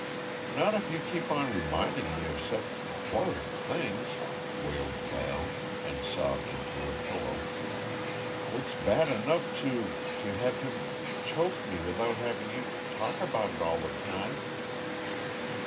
"Not if you keep on reminding me of such h horrid things," wailed Val, and sobbed into her pillow. "It's bad enough to to have him ch choke me without having you t talk about it all the time!"